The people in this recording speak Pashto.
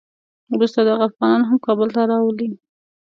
وروسته دغه افغانان هغه کابل ته راولي.